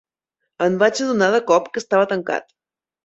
En vaig adonar de cop que estava tancat.